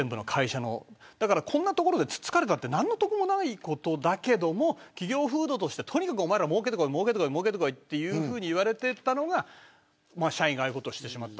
こんなところで突っつかれたって何の得もないけど企業風土として、とにかくおまえら、もうけてこいと言われていたのが社員がああいうことをしてしまった。